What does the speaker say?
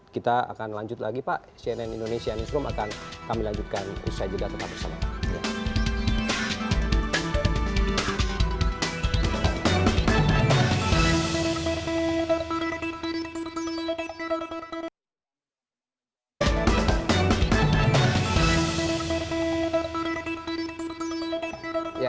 kita akan lanjut lagi pak cnn indonesia newsroom akan kami lanjutkan usai jeda tetap bersama